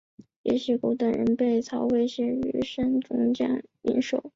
掖邪狗等人被曹魏授予率善中郎将印绶。